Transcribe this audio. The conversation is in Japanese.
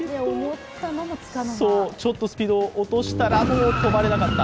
ちょっとスピードを落としたらもう止まれなかった。